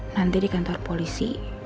nanti di kantor polisi